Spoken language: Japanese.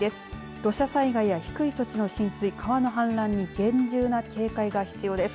土砂災害や低い土地の浸水川の氾濫に厳重な警戒が必要です。